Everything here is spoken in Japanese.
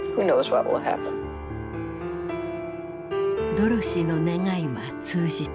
ドロシーの願いは通じた。